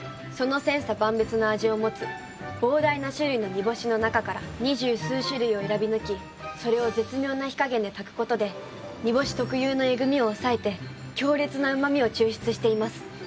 その千差万別の味を持つ膨大な種類の煮干しの中から二十数種類を選び抜きそれを絶妙な火加減で炊くことで煮干し特有のえぐ味を抑えて強烈なうま味を抽出しています。